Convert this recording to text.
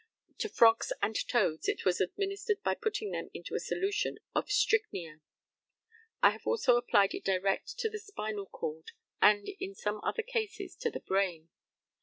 To frogs and toads it was administered by putting them into a solution of strychnia. I have also applied it direct to the spinal cord, and in other cases to the brain.